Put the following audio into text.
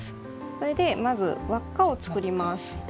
それでまず輪っかを作ります。